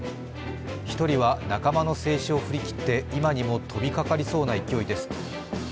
１人は仲間の制止を振りきって今にも飛びかかりそうな勢いです。